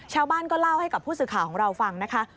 ชาวบ้านก็เล่าให้กับผู้สื่อข่าวของเราฟังนะคะ